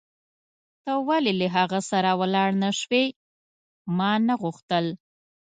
ته ولې له هغه سره ولاړ نه شوې؟ ما نه غوښتل.